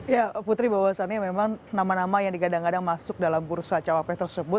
ya putri bahwasannya memang nama nama yang digadang gadang masuk dalam bursa cawapres tersebut